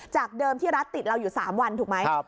จากเดิมที่รัฐติดเราอยู่๓วันถูกไหม